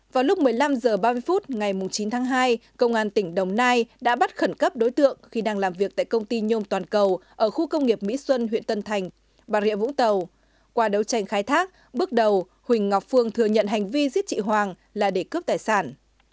cơ quan cảnh sát điều tra công an tỉnh đồng nai đã bắt khẩn cấp và di lý đối tượng huỳnh ngọc phương thủ phạm đã sát hại nạn nhân trên để điều tra về hành vi giết người cướp tài sản